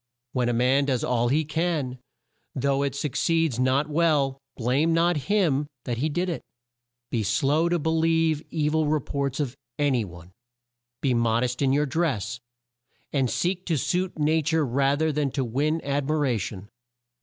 "When a man does all he can, though it suc ceeds not well, blame not him that did it. "Be slow to be lieve e vil re ports of a ny one. "Be mod est in your dress and seek to suit na ture rather than to win ad mi ra tion.